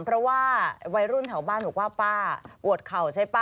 เพราะว่าวัยรุ่นแถวบ้านบอกว่าป้าปวดเข่าใช่ป่ะ